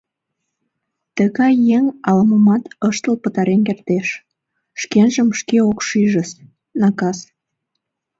— Тыгай еҥ ала-момат ыштыл пытарен кертеш, шкенжым шке ок шижыс, накас.